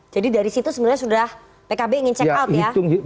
jadi dari situ sebenarnya sudah pkb ingin check out ya